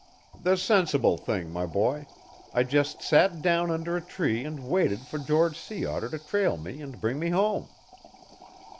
"The sensible thing, my boy. I just sat down under a tree and waited for George Sea Otter to trail me and bring me home."